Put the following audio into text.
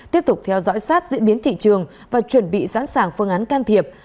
tiếp tục theo dõi sát diễn biến thị trường và chuẩn bị sẵn sàng phương án can thiệp